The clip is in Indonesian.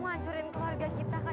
ngancurin keluarga kita kak